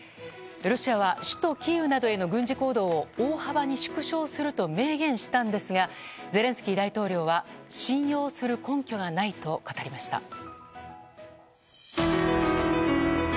ロシアは首都キーウなどへの軍事行動を大幅に縮小すると明言したんですがゼレンスキー大統領は信用する根拠がないと語りました。